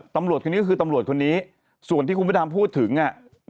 ตำรวจคนนี้ก็คือตำรวจคนนี้ส่วนที่คุณพระดำพูดถึงอ่ะ